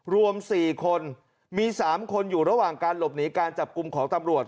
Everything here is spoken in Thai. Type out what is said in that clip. รวม๔คนมี๓คนอยู่ระหว่างการหลบหนีการจับกลุ่มของตำรวจ